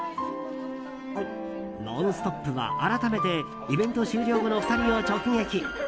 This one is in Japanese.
「ノンストップ！」は、改めてイベント終了後の２人を直撃。